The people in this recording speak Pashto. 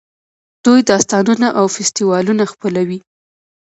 دوی داستانونه او فستیوالونه خپلوي.